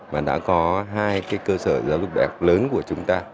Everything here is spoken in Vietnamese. mà đã có hai cái cơ sở giáo dục đại học lớn của chúng ta